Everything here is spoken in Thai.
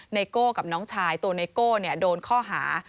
ไโก้กับน้องชายตัวไนโก้โดนข้อหา